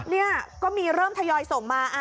นี่ก็มีเริ่มทยอยส่งมา